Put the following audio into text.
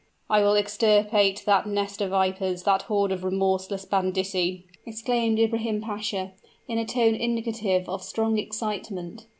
"I will extirpate that nest of vipers that horde of remorseless banditti!" exclaimed Ibrahim Pasha, in a tone indicative of strong excitement.